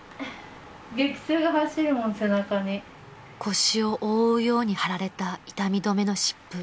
［腰を覆うように貼られた痛み止めの湿布］